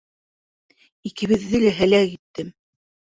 Икебеҙҙе лә һәләк иттем.